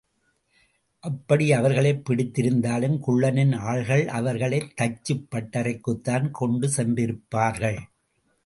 அப்படி அவர்களைப் பிடித்திருந்தாலும் குள்ளனின் ஆள்கள் அவர்களைத் தச்சுப் பட்டறைக்குத்தான் கொண்டு சென்றிருப்பார்கள்.